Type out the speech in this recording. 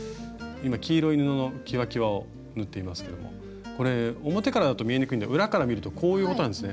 今黄色い布のきわきわを縫っていますけどもこれ表からだと見えにくいんで裏から見るとこういうことなんですね。